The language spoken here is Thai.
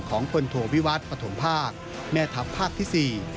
ของพลโทวิวัฒน์ปฐมภาคแม่ทัพภาคที่๔